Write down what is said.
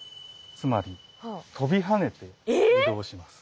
つまり跳びはねて移動します。